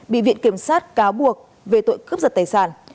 bị viện kiểm sát cáo buộc về tội cướp giật tài sản